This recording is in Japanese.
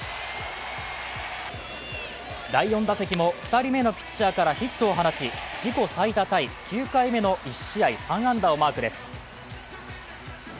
第４打席も２人目のピッチャーからヒットを放ち自己最多タイ、９回目の１試合３安打をマークです。